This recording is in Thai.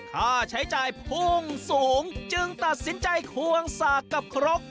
ค่าใช้จ่ายพุ่งสูงจึงตัดสินใจควงสากกับครก